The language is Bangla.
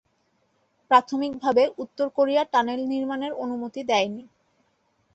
প্রাথমিকভাবে, উত্তর কোরিয়া টানেল নির্মাণের অনুমতি দেয়নি।